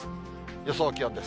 予想気温です。